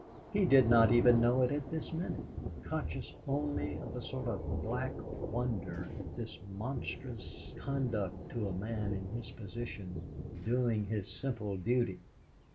He did not even know it at this minute, conscious only of a sort of black wonder at this monstrous conduct to a man in his position, doing his simple duty.